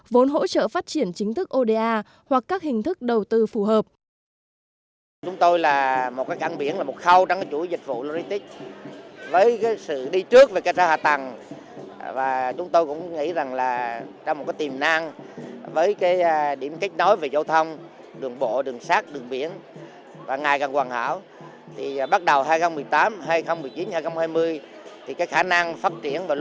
vốn hỗ trợ phát triển chính thức oda hoặc các hình thức đầu tư phù hợp